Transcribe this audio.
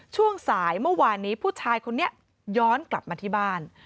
ช่วงสายเมื่อวานนี้ผู้ชายคนนี้ย้อนกลับมาที่บ้าน